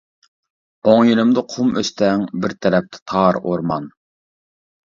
ئوڭ يېنىمدا قۇم ئۆستەڭ، بىر تەرەپتە تار ئورمان.